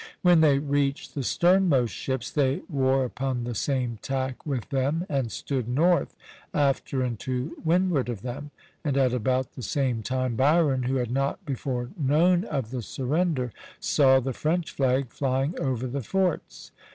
When they reached the sternmost ships they wore upon the same tack with them and stood north, after and to windward of them; and at about the same time Byron, who had not before known of the surrender, saw the French flag flying over the forts.